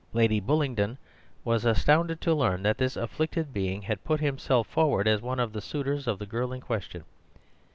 Lady Bullingdon was astounded to learn that this afflicted being had put himself forward as one of the suitors of the girl in question.